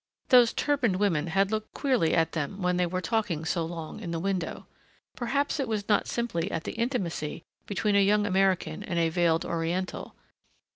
Those turbaned women had looked queerly at them when they were talking so long in the window. Perhaps it was not simply at the intimacy between a young American and a veiled Oriental.